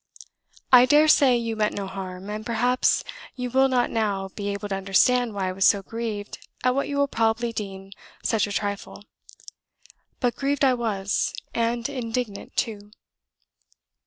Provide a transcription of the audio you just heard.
I dare say you meant no harm, and perhaps you will not now be able to understand why I was so grieved at what you will probably deem such a trifle; but grieved I was, and indignant too.